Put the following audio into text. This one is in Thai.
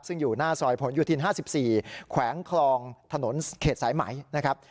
ซึ่งอยู่หน้าซอยพลอยู่ทีลห้าสิบสี่แขวงคลองถนนเขตสายไหมนะครับ